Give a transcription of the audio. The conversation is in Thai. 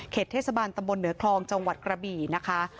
เทศบาลตำบลเหนือคลองจังหวัดกระบี่นะคะ